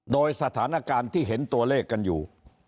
โดยสถานการณ์ที่เห็นตัวเลขกันอยู่